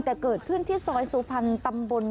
แต่เกิดขึ้นที่ซอยสุพรรณตำบล